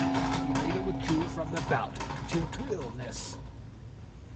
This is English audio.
He later withdrew from the bout due to illness.